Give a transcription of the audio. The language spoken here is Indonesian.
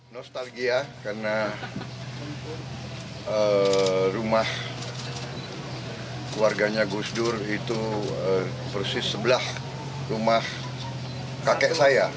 nostalgia karena rumah keluarganya gus dur itu persis sebelah rumah kakek saya